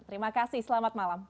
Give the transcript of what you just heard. terima kasih selamat malam